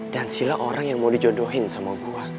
dan sila orang yang mau dijodohin sama gue